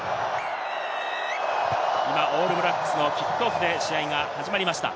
オールブラックスのキックオフで試合が始まりました。